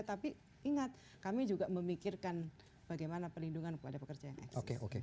tapi ingat kami juga memikirkan bagaimana pelindungan kepada pekerja yang eksis